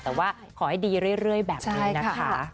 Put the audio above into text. แต่ว่าขอให้ดีเรื่อยแบบนี้นะคะ